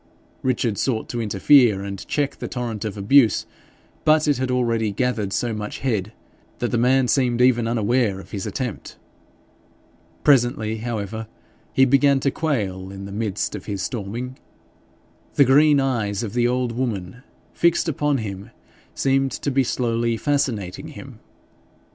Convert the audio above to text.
Richard sought to interfere and check the torrent of abuse, but it had already gathered so much head, that the man seemed even unaware of his attempt. Presently, however, he began to quail in the midst of his storming. The green eyes of the old woman, fixed upon him, seemed to be slowly fascinating him.